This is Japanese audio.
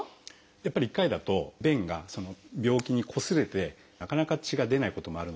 やっぱり１回だと便がその病気にこすれてもなかなか血が出ないこともあるので。